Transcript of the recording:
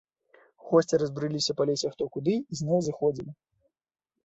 Госці разбрыліся па лесе хто куды і зноў зыходзілі.